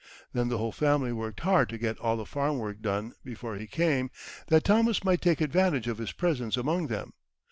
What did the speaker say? Then the whole family worked hard to get all the farm work done before he came, that Thomas might take advantage of his presence among them.